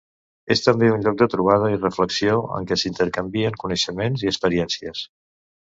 És també un lloc de trobada i reflexió en què s'intercanvien coneixements i experiències.